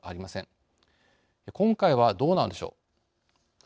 今回はどうなのでしょう。